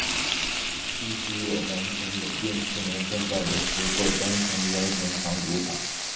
寺西有南陈永定四年建造的石构单层圆形藏骨塔。